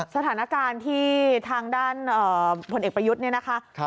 สถานการณ์ที่ทางด้านพลเอกประยุทธ์เนี่ยนะคะ